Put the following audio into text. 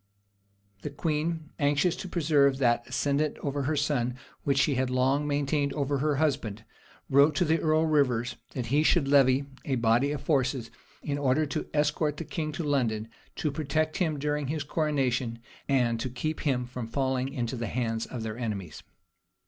The queen, anxious to preserve that ascendant over her son which she had long maintained over her husband, wrote to the earl of Rivers, that he should levy a body of forces, in order to escort the king to London, to protect him during his coronation, and to keep him from falling into the hands of their enemies.